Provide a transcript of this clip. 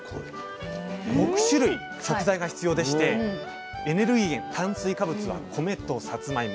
６種類食材が必要でしてエネルギー源炭水化物は米とさつまいも。